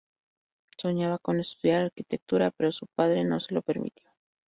Soñaba con estudiar arquitectura, pero su padre no se lo permitió.